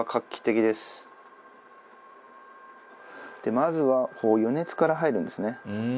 まずはこう予熱から入るんですね。